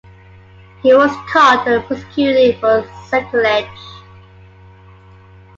He was caught and prosecuted for sacrilege.